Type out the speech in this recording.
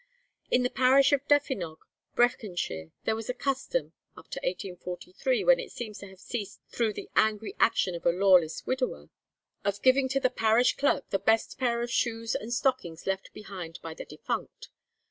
In the parish of Defynog, Breconshire, there was a custom (up to 1843, when it seems to have ceased through the angry action of a lawless widower,) of giving to the parish clerk the best pair of shoes and stockings left behind by the defunct.